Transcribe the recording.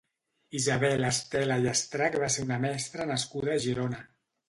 Isabel Estela i Estrach va ser una mestra nascuda a Girona.